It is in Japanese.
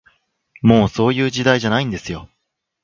もう、そういう時代じゃないんですよ